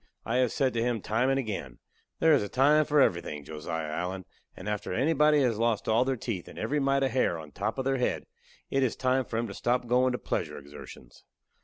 I have said to him time and again: "There is a time for everything, Josiah Allen, and after anybody has lost all their teeth and every mite of hair on the top of their head, it is time for 'em to stop goin' to pleasure exertions."